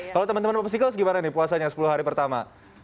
kalau teman teman popsicles gimana nih puasanya sepuluh hari pertama